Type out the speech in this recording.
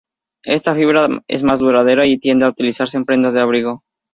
Esta fibra es más duradera y tiende a utilizarse en prendas de abrigo.